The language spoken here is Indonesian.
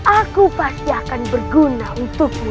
aku pasti akan berguna untukmu